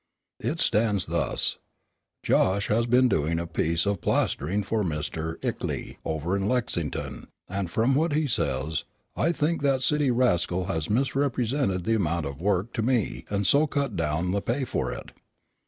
It stands thus: Josh has been doing a piece of plastering for Mr. Eckley over in Lexington, and from what he says, I think that city rascal has misrepresented the amount of work to me and so cut down the pay for it.